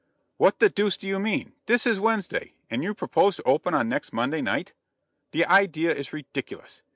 "What the deuce do you mean? This is Wednesday, and you propose to open on next Monday night. The idea is ridiculous.